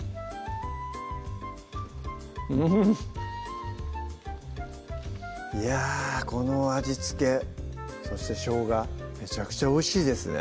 うんいやぁこの味付けそしてしょうがめちゃくちゃおいしいですね